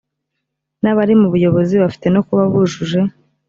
n abari mu buyobozi bafite no kuba bujuje